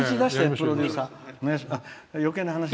プロデューサー。